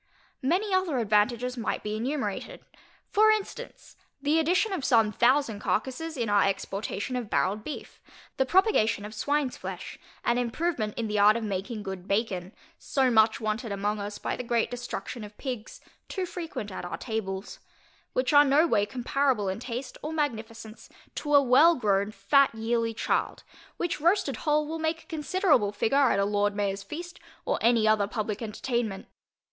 Many other advantages might be enumerated. For instance, the addition of some thousand carcasses in our exportation of barrelŌĆÖd beef: the propagation of swineŌĆÖs flesh, and improvement in the art of making good bacon, so much wanted among us by the great destruction of pigs, too frequent at our tables; which are no way comparable in taste or magnificence to a well grown, fat yearling child, which roasted whole will make a considerable figure at a Lord MayorŌĆÖs feast, or any other publick entertainment.